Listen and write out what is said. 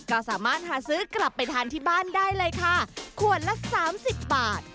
ก็สามารถหาซื้อกลับไปทานที่บ้านได้เลยค่ะขวดละสามสิบบาท